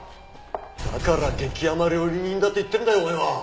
だから激甘料理人だと言ってるんだよ俺は。